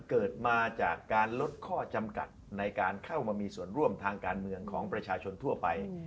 เกิดมาจากการลดข้อจำกัดในการเข้ามามีส่วนร่วมทางการเมืองของประชาชนทั่วไป